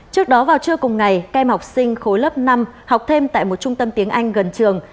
trước đó vào trưa cùng ngày các em học sinh khối lớp năm học thêm tại một trung tâm tiếng anh gần trường